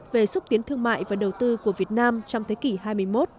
về xúc tiến thương mại và đầu tư của việt nam trong thế kỷ hai mươi một